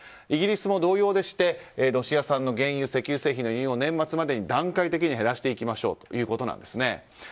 イギリスも同様でしてロシア産の原油石油製品の輸入を年末までに段階的に減らしていきましょうということなんです。